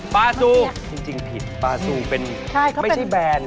ปาซูงจริงผิดปาซูงเป็นไม่ใช่แบรนด์ใช่เขาเป็น